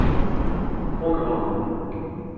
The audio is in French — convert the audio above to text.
Trop grande.